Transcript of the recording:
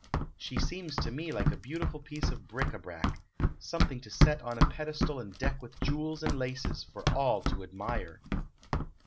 She seems to me like a beautiful piece of bric a brac; something to set on a pedestal and deck with jewels and laces, for all to admire."